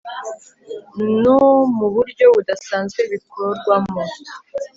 nu muburyo budasanzwe bikorwamo